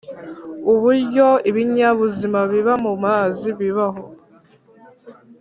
Uburyo ibinyabuzima biba mu mazi bibaho